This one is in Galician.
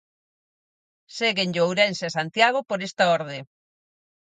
Séguenlle Ourense e Santiago por esta orde.